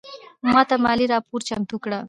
ماته مالي راپور چمتو کړه